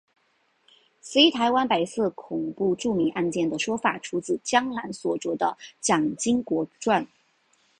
此一台湾白色恐怖著名案件的说法出自江南所着的蒋经国传。